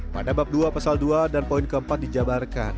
pada bab dua pasal dua dan poin keempat dijabarkan